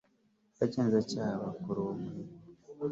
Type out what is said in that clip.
abagenzacyaha bakora uwo murimo